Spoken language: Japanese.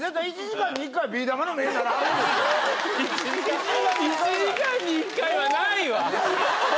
１時間に１回はないわ！